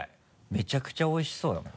めちゃくちゃおいしそうだもん。